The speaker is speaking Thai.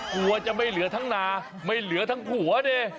กลัวจะไม่เหลือทั้งนาไม่เหลือทั้งผัวดิ